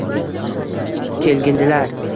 Kelgindilar